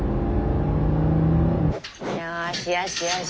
よしよしよし。